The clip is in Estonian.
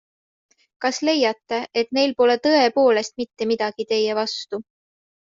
Kas leiate, et neil pole tõepoolest mitte midagi teie vastu?